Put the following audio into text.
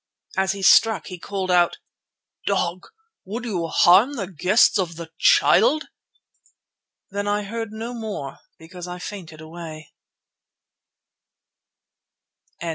As he struck he called out: "Dog! Would you harm the guests of the Child?" Then I heard no more because I fainted away.